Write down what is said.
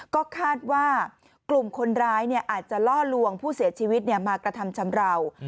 ก็คาดว่ากลุ่มคนร้ายอาจจะล่อลวงผู้เสียชีวิตมากระทำชำราว